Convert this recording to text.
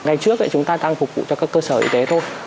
ngày trước chúng ta đang phục vụ cho các cơ sở y tế thôi